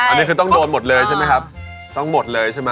อันนี้คือต้องโดนหมดเลยใช่ไหมครับต้องหมดเลยใช่ไหม